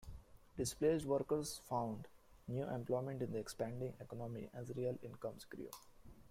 Displaced workers found new employment in the expanding economy as real incomes grew.